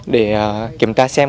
để kiểm tra xem